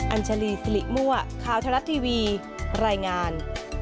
อัญชาลีสิริมั่วข่าวทะลัดทีวีรายงาน